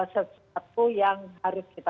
sesuatu yang harus kita